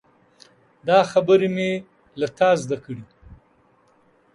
دا خبرې مې له تا زده کړي.